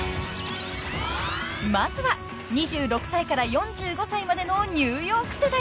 ［まずは２６歳から４５歳までのニューヨーク世代］